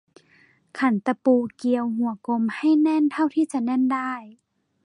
ขันตะปูเกลียวหัวกลมให้แน่นเท่าที่จะแน่นได้